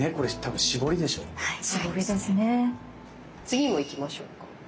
次もいきましょうか。